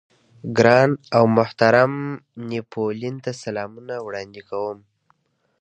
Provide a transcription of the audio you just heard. ګران او محترم نيپولېين ته سلامونه وړاندې کوم.